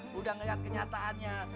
sudah melihat kenyataannya